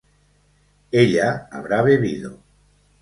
ella habrá bebido